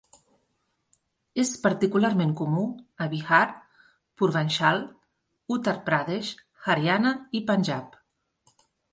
És particularment comú a Bihar, Purvanchal, Uttar Pradesh, Haryana i Panjab.